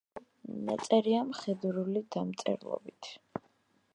ნაწერია მხედრული დამწერლობით.